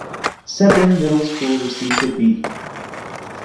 Sebring Middle School received a B.